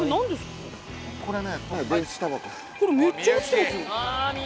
これめっちゃ落ちてますよ。